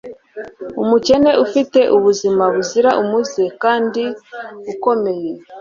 umukene ufite ubuzima buzira umuze kandi ukomeye